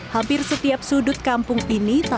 hampir setiap sudut kampung ini